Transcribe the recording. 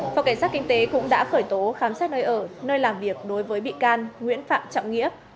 phòng cảnh sát kinh tế cũng đã khởi tố khám xét nơi ở nơi làm việc đối với bị can nguyễn phạm trọng nghĩa